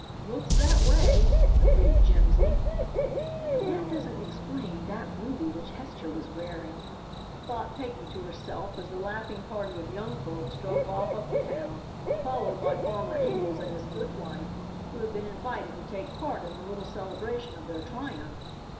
"Looks that way," agreed Jimsy. "But that doesn't explain that ruby which Hester was wearing," thought Peggy to herself as the laughing party of young folks drove off up the town, followed by Farmer Ingalls and his good wife, who had been invited to take part in the little celebration of their triumph.